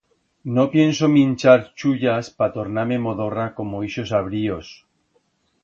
No pienso minchar chullas pa tornar-me modorra como ixos abríos.